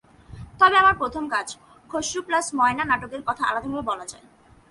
তবে আমার প্রথম কাজ, খসরু প্লাস ময়না নাটকের কথা আলাদাভাবে বলা যায়।